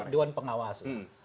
dewan pengawas itu